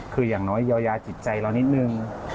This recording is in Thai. คืออย่างน้อยเยียวยาจิตใจเรานิดนึง